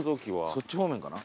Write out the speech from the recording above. そっち方面かな？